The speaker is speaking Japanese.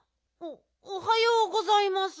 おはようございます。